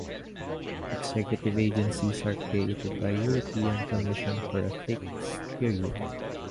Executive agencies are created by European Commission for a fixed period.